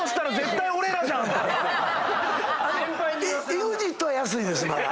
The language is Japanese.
ＥＸＩＴは安いですまだ。